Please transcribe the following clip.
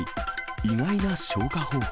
意外な消火方法。